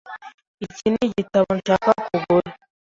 Iki nigitabo nshaka kugura.